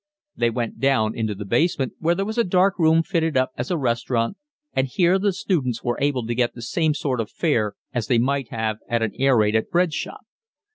They went down into the basement, where there was a dark room fitted up as a restaurant, and here the students were able to get the same sort of fare as they might have at an aerated bread shop.